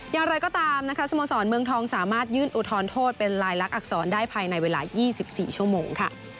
อย่างไรก็ตามนะคะสโมสรเมืองทองสามารถยื่นอุทธรณโทษเป็นลายลักษณอักษรได้ภายในเวลา๒๔ชั่วโมงค่ะ